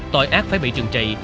tội ác phải bị trừng trị